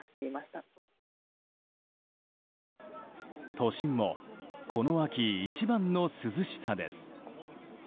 都心もこの秋一番の涼しさです。